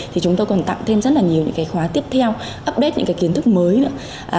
thì chúng tôi còn tặng thêm rất nhiều những khóa tiếp theo update những kiến thức mới nữa